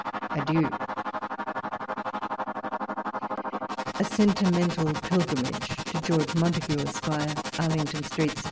Adieu ! A SENTIMENTAL PILGRIMAGE. To George Montagu, Esq. Arlington Street, Sept.